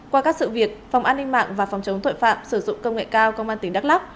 qua các sự việc phòng an ninh mạng và phòng chống tội phạm sử dụng công nghệ cao công an tỉnh đắk lắk